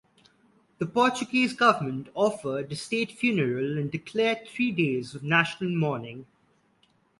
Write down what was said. The Portuguese Government offered a state funeral and declared three days of national mourning.